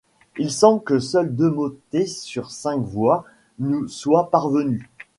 Il semble que seuls deux motets pour cinq voix nous soient parvenus.